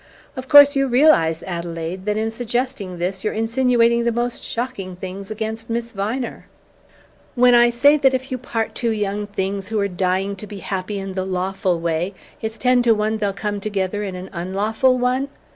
"Of course you realize, Adelaide, that in suggesting this you're insinuating the most shocking things against Miss Viner?" "When I say that if you part two young things who are dying to be happy in the lawful way it's ten to one they'll come together in an unlawful one?